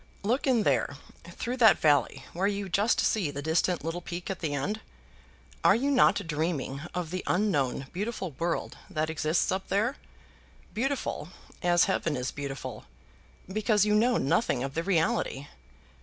Look in there, through that valley, where you just see the distant little peak at the end. Are you not dreaming of the unknown beautiful world that exists up there; beautiful, as heaven is beautiful, because you know nothing of the reality?